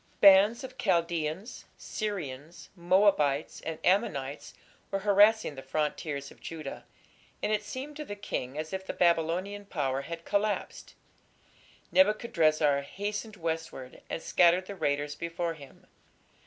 " Bands of Chaldaeans, Syrians, Moabites, and Ammonites were harassing the frontiers of Judah, and it seemed to the king as if the Babylonian power had collapsed. Nebuchadrezzar hastened westward and scattered the raiders before him.